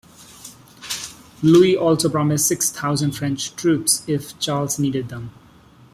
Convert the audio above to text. Louis also promised six thousand French troops if Charles needed them.